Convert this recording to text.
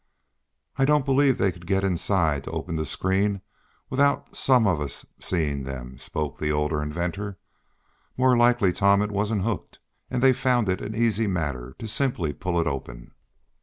"I don't believe they could get inside to open the screen without some of us seeing them," spoke the older inventor. "More likely, Tom, it wasn't hooked, and they found it an easy matter to simply pull it open."